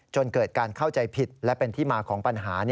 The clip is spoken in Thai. จนเกิดการเข้าใจผิดและเป็นที่มาของปัญหา